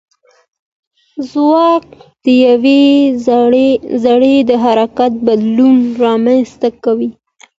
ځواک د یوې ذرې د حرکت بدلون رامنځته کوي.